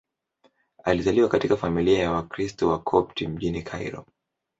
Alizaliwa katika familia ya Wakristo Wakopti mjini Kairo.